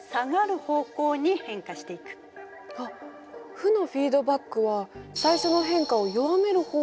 負のフィードバックは最初の変化を弱める方向に変化するんだ。